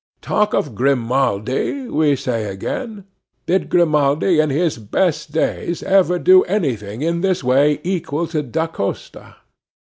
Talk of Grimaldi, we say again! Did Grimaldi, in his best days, ever do anything in this way equal to Da Costa?